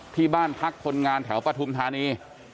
ที่บ้านพักคนงานแถวปฐุมธานี